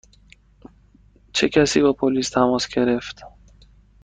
چه کسی با پلیس تماس گرفت؟